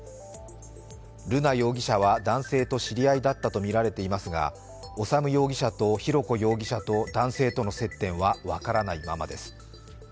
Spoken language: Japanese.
瑠奈容疑者は男性と知り合いだったとみられていますが、修容疑者と浩子容疑者と男性との接点は、分からないままです。